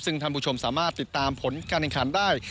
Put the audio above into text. ซึ่งท่านผู้ชมสามารถติดตามผลการแข่งขันได้